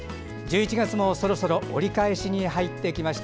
１１月もそろそろ折り返しに入ってきました。